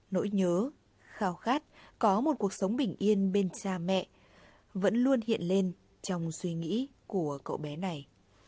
nỗi nhớ khao khát có một cuộc sống bình yên bên cha mẹ vẫn luôn hiện lên trong suy nghĩ của cậu bé này